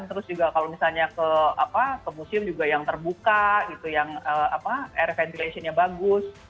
terus juga kalau misalnya ke museum juga yang terbuka gitu yang air ventilation nya bagus